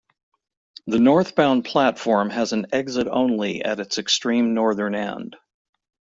The northbound platform has an exit-only at its extreme northern end.